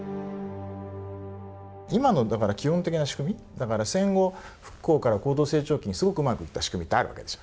今の基本的な仕組みだから戦後復興から高度経済成長期にすごくうまくいった仕組みってあるわけですよ。